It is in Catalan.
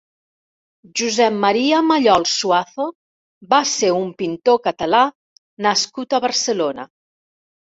Josep Maria Mallol Suazo va ser un pintor catalá nascut a Barcelona.